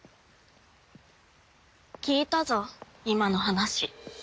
聞いたぞ今の話。